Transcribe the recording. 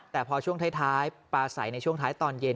แต่พอช่วงท้ายปลาใสในช่วงท้ายตอนเย็น